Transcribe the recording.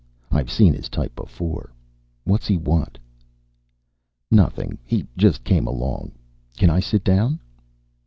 "I've seen his type before. What's he want?" "Nothing. He just came along. Can I sit down?"